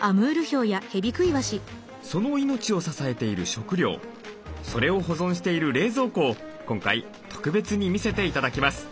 その命を支えている食料それを保存している冷蔵庫を今回特別に見せて頂きます。